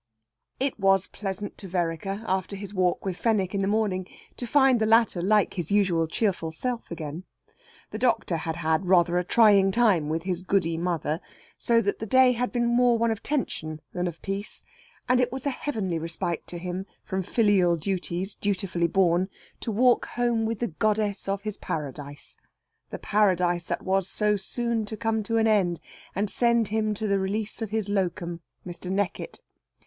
It was pleasant to Vereker, after his walk with Fenwick in the morning, to find the latter like his usual cheerful self again. The doctor had had rather a trying time with his Goody mother, so that the day had been more one of tension than of peace, and it was a heavenly respite to him from filial duties dutifully borne, to walk home with the goddess of his paradise the paradise that was so soon to come to an end and send him to the release of his "locum," Mr. Neckitt.